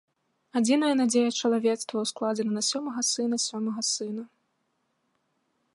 Адзіная надзея чалавецтва ўскладзена на сёмага сына сёмага сына.